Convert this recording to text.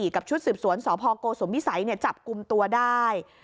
กับชุดสืบสวนสพโกสุมวิสัยจับกลุ่มตัวได้